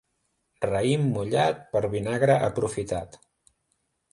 Raïm mullat, per vinagre aprofitat.